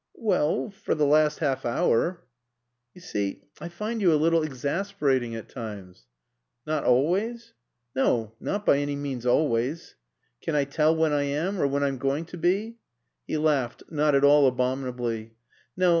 "Well for the last half hour " "You see, I find you a little exasperating at times." "Not always?" "No. Not by any means always." "Can I tell when I am? Or when I'm going to be?" He laughed (not at all abominably). "No.